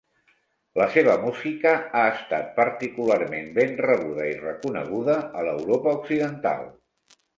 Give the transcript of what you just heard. La seva música ha estat particularment ben rebuda i reconeguda a l'Europa occidental.